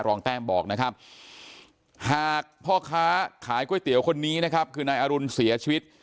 แต้มบอกนะครับหากพ่อค้าขายก๋วยเตี๋ยวคนนี้นะครับคือนายอรุณเสียชีวิต